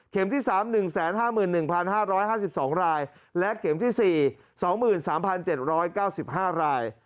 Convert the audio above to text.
ที่๓๑๕๑๕๕๒รายและเข็มที่๔๒๓๗๙๕ราย